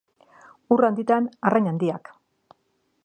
Ur handitan, arrain handiak.